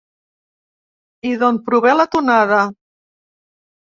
I d’on prové la tonada?